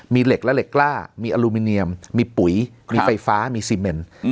มีเหล็กและเหล็กกล้ามีอลูมิเนียมมีปุ๋ยมีไฟฟ้ามีซีเมน